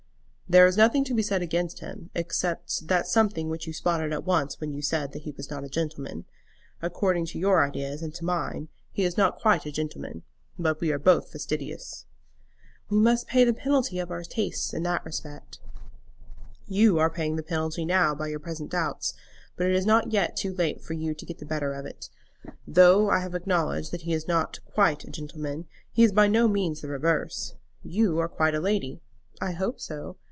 "There is nothing to be said against him, except that something which you spotted at once when you said that he was not a gentleman. According to your ideas, and to mine, he is not quite a gentleman; but we are both fastidious." "We must pay the penalty of our tastes in that respect." "You are paying the penalty now by your present doubts. But it is not yet too late for you to get the better of it. Though I have acknowledged that he is not quite a gentleman, he is by no means the reverse. You are quite a lady." "I hope so."